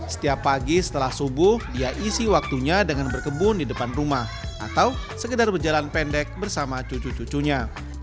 setiap pagi setelah subuh dia isi waktunya dengan berkebun di depan rumah atau sekedar berjalan pendek bersama cucu cucunya